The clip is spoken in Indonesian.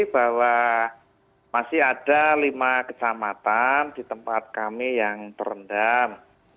bahwa masih ada lima kecamatan di tempat kami yang terendam